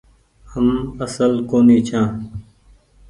هم اسل ڪونيٚ ڇآن۔